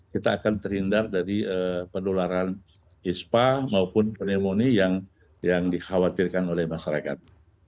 kita akan terhindar dari penularan ispa maupun pneumonia yang dikhawatirkan oleh masyarakat